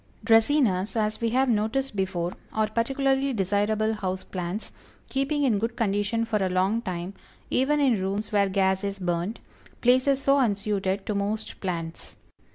Dracænas, as we have noticed before, are particularly desirable house plants, keeping in good condition for a long time, even in rooms where gas is burned places so unsuited to most plants.